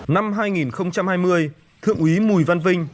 năm hai nghìn hai mươi thượng úy bùi văn vinh